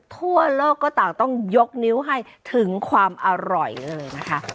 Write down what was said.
ทั่วโลกก็ต่างต้องยกนิ้วให้ถึงความอร่อยเลยนะคะ